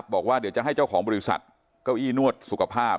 บอกว่าเดี๋ยวจะให้เจ้าของบริษัทเก้าอี้นวดสุขภาพ